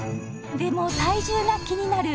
でも体重が気になる